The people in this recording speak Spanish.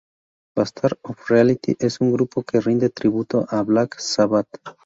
Bastard Of Reality es un grupo que rinde tributo a Black Sabbath.